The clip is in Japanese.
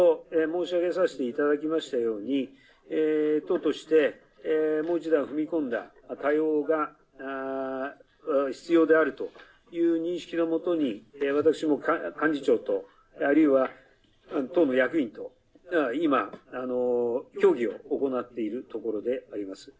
自民党の対応については先ほど申し上げさせていただきましたように党としてもう一段踏み込んだ対応が必要であるという認識のもとに私も幹事長とあるいは、党の役員と今、協議を行っているところであります。